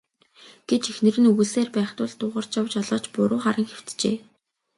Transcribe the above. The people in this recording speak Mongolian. гэж эхнэр нь үглэсээр байх тул Дугаржав жолооч буруу харан хэвтжээ.